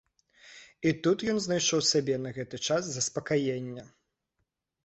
І тут ён знайшоў сабе на гэты час заспакаенне.